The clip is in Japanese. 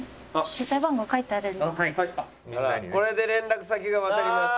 これで連絡先がわかりました。